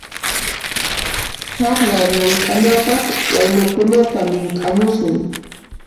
Chakra llamk'anapaq waynakunata mink'amusun.